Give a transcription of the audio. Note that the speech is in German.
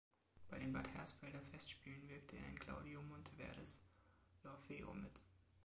Bei den Bad Hersfelder Festspielen wirkte er in Claudio Monteverdis "L’Orfeo" mit.